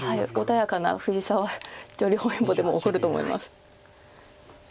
穏やかな藤沢女流本因坊でも怒ると思います。